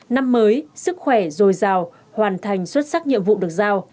năm mới sức khỏe rồi giàu hoàn thành xuất sắc nhiệm vụ được giao